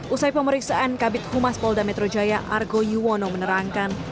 usai pemeriksaan kabit humas polda metro jaya argo yuwono menerangkan